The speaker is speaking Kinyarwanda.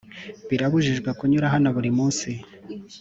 birabujijwe kunyura hano buri munsi